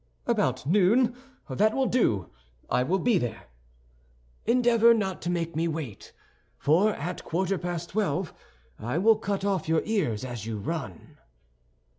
"About noon? That will do; I will be there." "Endeavor not to make me wait; for at quarter past twelve I will cut off your ears as you run."